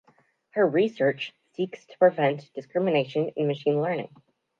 Her research seeks to prevent discrimination in machine learning.